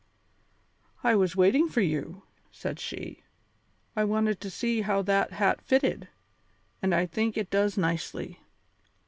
"I was waiting for you," said she. "I wanted to see how that hat fitted, and I think it does nicely.